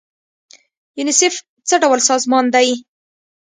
یونیسف څه ډول سازمان دی؟